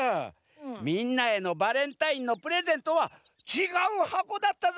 みんなへのバレンタインのプレゼントはちがうはこだったざんす。